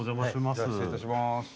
失礼いたします。